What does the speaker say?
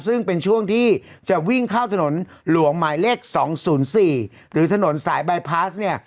ซึ่งเป็นช่วงที่จะวิ่งเข้าถนนหลวงหมายเลข๒๐๔หรือถนนสายบายพลาสเนี่ย